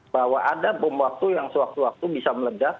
bahwa ada bom waktu yang sewaktu waktu bisa meledak